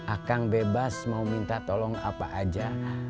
akang bebas mau minta tolong apa aja